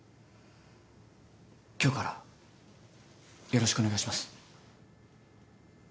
今日からよろしくお願いします。